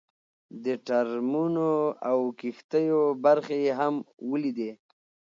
د ټرمونو او کښتیو برخې یې هم ولیدې.